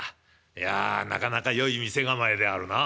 いやなかなかよい店構えであるな。